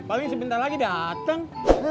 paling sebentar lagi datang